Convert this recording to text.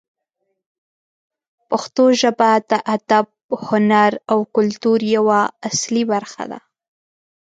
پښتو ژبه د ادب، هنر او کلتور یوه اصلي برخه ده.